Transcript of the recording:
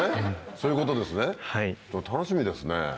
そういうことですね楽しみですね。